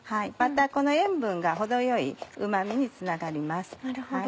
またこの塩分が程よいうま味につながります。